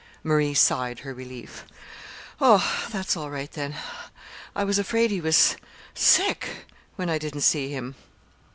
Marie sighed her relief. "Oh, that's all right then. I was afraid he was sick when I didn't see him."